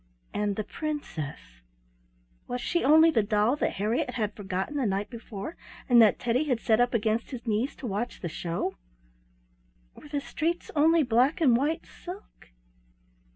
And the Princess! Was she only the doll that Harriett had forgotten the night before and that Teddy had set up against his knees to watch the show? Were the streets only black and white silk?